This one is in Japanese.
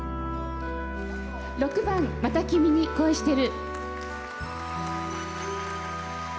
６番「また君に恋してる」。